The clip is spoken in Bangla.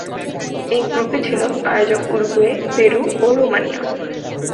এই গ্রুপে ছিল আয়োজক উরুগুয়ে, পেরু ও রোমানিয়া।